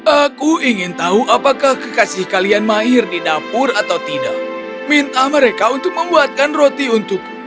aku ingin tahu apakah kekasih kalian mahir di dapur atau tidak minta mereka untuk membuatkan roti untukku